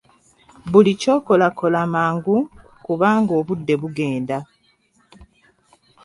Buli ky’okola kola mangu kubanga obudde bugenda.